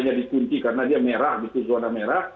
nya dikunci karena dia merah suara merah